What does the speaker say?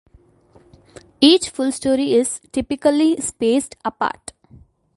Each full story is typically spaced apart.